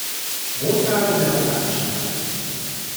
Montage gehören abgeschafft.